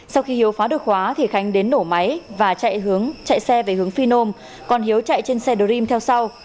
sau khi hiếu phá được khóa thì khánh đến nổ máy và chạy hướng chạy xe về hướng phi nôm còn hiếu chạy trên xe dream theo sau